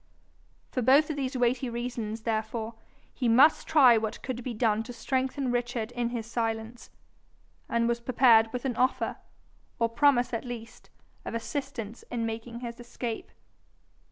For both of these weighty reasons therefore he must try what could be done to strengthen Richard in his silence, and was prepared with an offer, or promise at least, of assistance in making his escape.